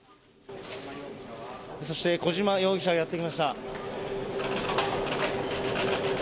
そして小島容疑者がやって来ました。